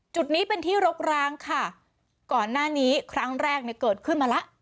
จุดนี้เป็นที่รกร้างค่ะก่อนหน้านี้ครั้งแรกเนี่ยเกิดขึ้นมาแล้ว